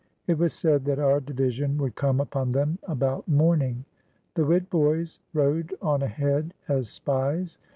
It was said that our division would come upon them about morning. The Witt boys rode on ahead as spies.